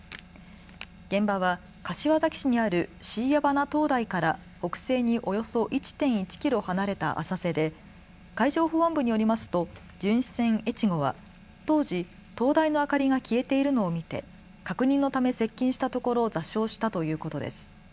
現場は柏崎市にある椎谷鼻灯台から北西におよそ１．１キロ離れた浅瀬で海上保安部によりますと巡視船えちごは当時、灯台の明かりが消えているのを見て確認のため接近したところ座礁したということです。